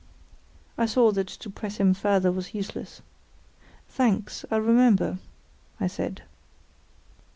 I saw that to press him further was useless. "Thanks; I'll remember," I said.